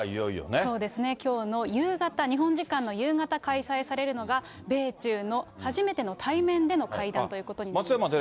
そうですね、きょうの夕方、日本時間の夕方開催されるのが、米中の初めての対面での会談ということになります。